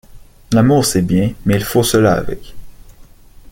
L’amour, c’est bien ; mais il faut cela avec.